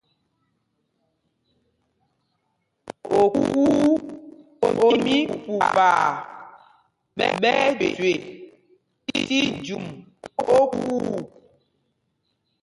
Okuu o mí Pupaa ɓɛ́ ɛ́ jüe tí jûm okuu.